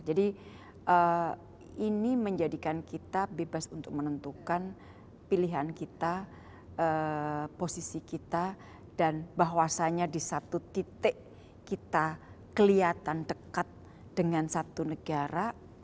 jadi ini menjadikan kita bebas untuk menentukan pilihan kita posisi kita dan bahwasanya di satu titik kita kelihatan dekat dengan satu negara